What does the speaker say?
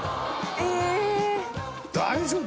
大丈夫？